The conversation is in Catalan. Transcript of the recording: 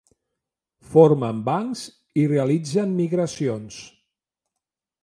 Formen bancs i realitzen migracions.